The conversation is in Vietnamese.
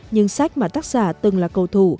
nhưng sách mà tác giả từng là cầu thủ